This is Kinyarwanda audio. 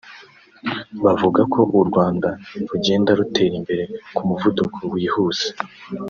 bavuga ko u Rwanda rugenda rutera imbere ku muvuduko wihuse